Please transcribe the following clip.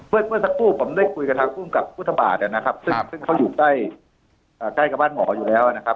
เมื่อสักครู่ผมได้คุยกับทางภูมิกับพุทธบาทนะครับซึ่งเขาอยู่ใกล้ใกล้กับบ้านหมออยู่แล้วนะครับ